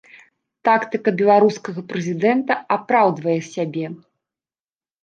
Тактыка беларускага прэзідэнта апраўдвае сябе.